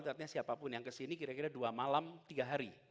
artinya siapapun yang kesini kira kira dua malam tiga hari